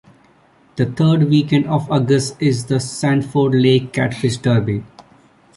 The third weekend of August, is the Sanford Lake Catfish Derby.